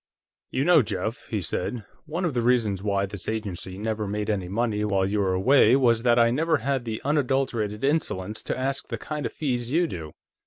"You know, Jeff," he said, "one of the reasons why this agency never made any money while you were away was that I never had the unadulterated insolence to ask the kind of fees you do.